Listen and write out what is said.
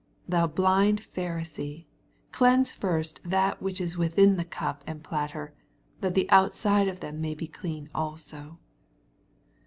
26 Thou blind Pharisee, cleanse first that whick ii within the cup and E latter, that the outside of them may e clean also.